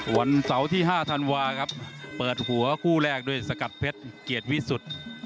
วันเสาร์ที่๕ธันวาครับเปิดหัวคู่แรกด้วยสกัดเพชรเกียรติวิสุทธิ์